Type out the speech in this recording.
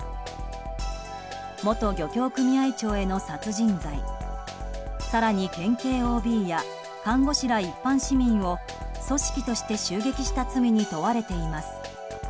元漁協組合長への殺人罪更に県警ＯＢや看護師ら一般市民を組織として襲撃した罪に問われています。